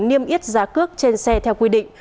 niêm yết giá cước trên xe theo quy định